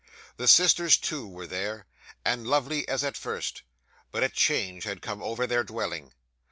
The sisters too were there, and lovely as at first, but a change had come over their dwelling.